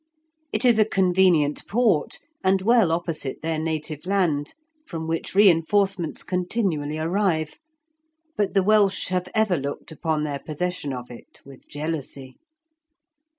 It is a convenient port, and well opposite their native land, from which reinforcements continually arrive, but the Welsh have ever looked upon their possession of it with jealousy.